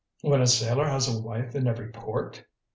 When a sailor has a wife in every port!"